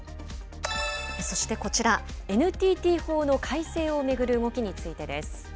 そしてこちら、ＮＴＴ法の改正を巡る動きについてです。